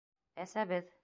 Әсәбеҙ!